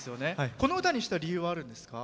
この歌にした理由はあるんですか。